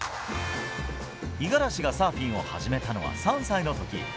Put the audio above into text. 五十嵐がサーフィンを始めたのは３歳のとき。